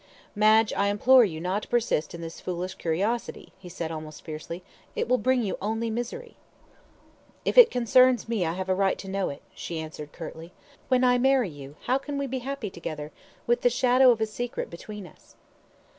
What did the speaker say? "Madge, I implore you not to persist in this foolish curiosity," he said, almost fiercely, "it will bring you only misery." "If it concerns me I have a right to know it," she answered curtly. "When I marry you how can we be happy together, with the shadow of a secret between us?"